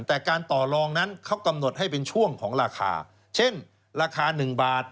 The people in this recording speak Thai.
แต่การต่อลองนั้นเขากำหนดให้เป็นช่วงของราคาเช่นราคา๑บาท